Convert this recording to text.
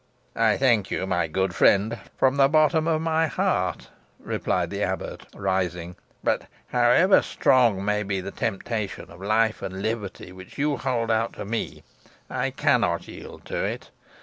"I thank you, my good friend, from the bottom of my heart," replied the abbot, rising; "but, however strong may be the temptation of life and liberty which you hold out to me, I cannot yield to it.